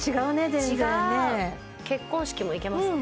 全然ね結婚式も行けますね